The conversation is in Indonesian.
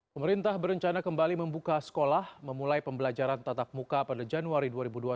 pemerintah berencana kembali membuka sekolah memulai pembelajaran tatap muka pada januari dua ribu dua puluh